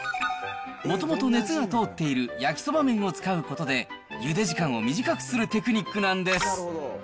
もともと熱が通っている焼きそば麺を使うことで、ゆで時間を短くするテクニックなんです。